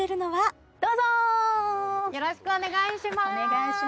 よろしくお願いします！